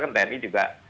kan tni juga